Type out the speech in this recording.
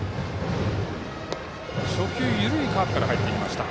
初球緩いカーブから入ってきました。